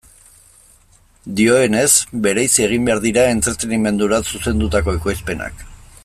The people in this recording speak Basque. Dioenez, bereizi egin behar dira entretenimendura zuzendutako ekoizpenak.